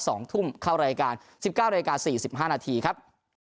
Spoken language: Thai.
สองทุ่มเข้ารายการสิบเก้านาฬิกาสี่สิบห้านาทีครับ